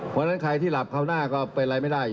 เพราะฉะนั้นใครที่หลับเข้าหน้าก็เป็นอะไรไม่ได้